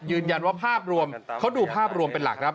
ยืนยันว่าภาพรวมเขาดูภาพรวมเป็นหลักครับ